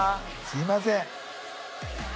すいません。